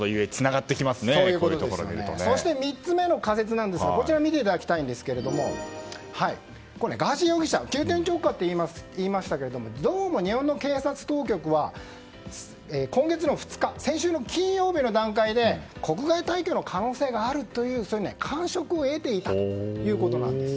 そして３つ目の仮説ですがガーシー容疑者急転直下といいましたけど日本の警察当局は今月の２日先週金曜日の段階で国外退去の可能性があるという感触を得ていたということなんです。